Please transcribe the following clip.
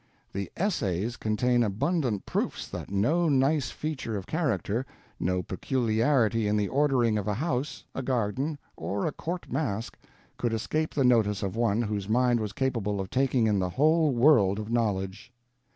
The Essays contain abundant proofs that no nice feature of character, no peculiarity in the ordering of a house, a garden, or a court masque, could escape the notice of one whose mind was capable of taking in the whole world of knowledge.